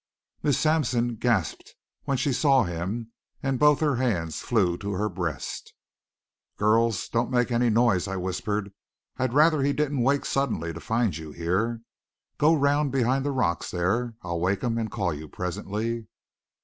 Miss Sampson gasped when she saw him and both her hands flew to her breast. "Girls, don't make any noise," I whispered. "I'd rather he didn't wake suddenly to find you here. Go round behind the rocks there. I'll wake him, and call you presently."